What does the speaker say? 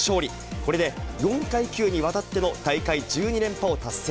これで４階級にわたっての大会１２連覇を達成。